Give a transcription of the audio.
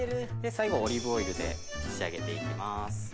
最後オリーブオイルで仕上げていきます。